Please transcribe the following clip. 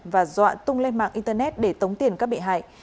và dọa tung lên mạng internet để tống tiền các bị hại